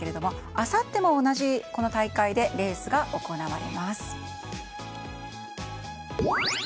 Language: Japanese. あさっても同じ大会でレースが行われます。